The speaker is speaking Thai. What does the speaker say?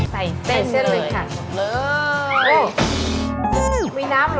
ใส่เส้นเลยค่ะ